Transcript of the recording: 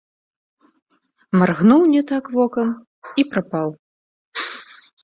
Маргнуў не так вокам і прапаў.